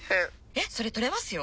えっそれ取れますよ！